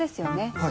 はい。